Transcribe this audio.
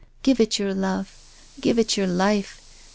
Give it your love. Give it your life.